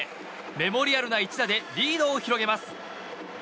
メモリアルな一打でリードを広げます。